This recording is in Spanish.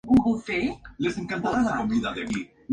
Él y sus hermanos nacieron en Lima, Ohio.